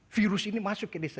virus ini masuk ke desa